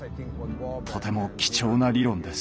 とても貴重な理論です。